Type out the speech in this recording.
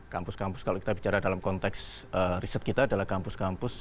kampus kampus kalau kita bicara dalam konteks riset kita adalah kampus kampus